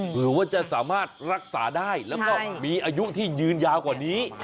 หรือว่าจะสามารถรักษาได้แล้วก็มีอายุที่ยืนยาวกว่านี้